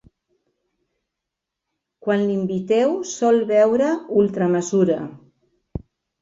Quan l'inviteu, sol beure ultra mesura.